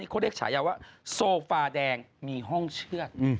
เขาเรียกฉายาว่าโซฟาแดงมีห้องเชือก